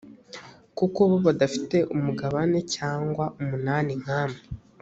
kuko bo badafite umugabane cyangwa umunani nkamwe.